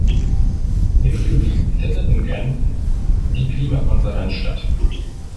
Im Juli findet in Genf die Klimakonferenz statt.